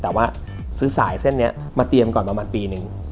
แต่ว่าซื้อสายเส้นนี้มาเตรียมก่อนประมาณปีนึง